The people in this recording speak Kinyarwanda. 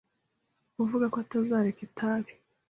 Avuga ko atazareka itabi.